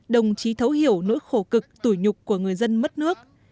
đồng chí thấu hiểu nỗi khổ cực tủi nhục của người dân mất nước